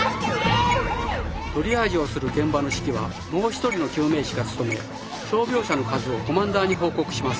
トリアージをする現場の指揮はもう一人の救命士が務め傷病者の数をコマンダーに報告します。